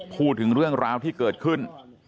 พูดถึงเรื่องราวที่เกิดขึ้น